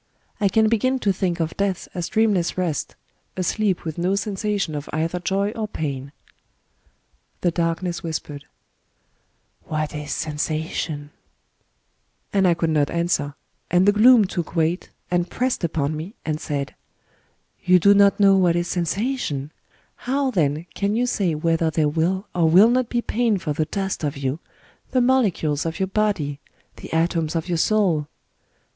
I can begin to think of death as dream less rest, — a sleep with no sensation of either joy or pain." The Darkness whispered :—" What is sensation ?" Digitized by Google ^30 IN THE DEAD OF THE NIGHT And I could not answer, and the Gloom took weight, and pressed upon me, and said :— ^^You do not know what is sensation? How, then, can you say whether there will or will not be pain for the dust of you, — the molecules of your body, the atoms of your soul